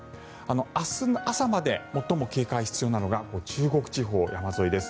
明日朝まで最も警戒が必要なのが中国地方、山沿いです。